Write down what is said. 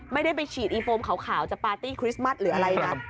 ไม่ได้ไปฉีดอีโฟมขาวจะปาร์ตี้คริสต์มัสหรืออะไรนะ